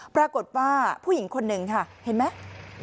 ปรากฏว่าผู้หญิงคนหนึ่งค่ะเห็นไหม